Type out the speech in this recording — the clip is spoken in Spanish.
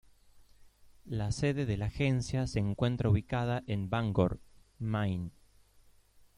La sede de la agencia se encuentra ubicada en Bangor, Maine.